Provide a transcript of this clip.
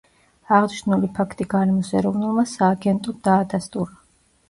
აღნიშნული ფაქტი გარემოს ეროვნულმა სააგენტომ დაადასტურა.